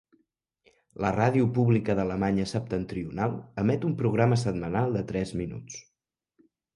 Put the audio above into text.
La ràdio pública d'Alemanya septentrional emet un programa setmanal de tres minuts.